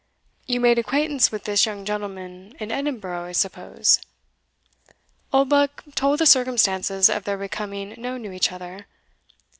"You made acquaintance with this young gentleman in Edinburgh, I suppose?" Oldbuck told the circumstances of their becoming known to each other.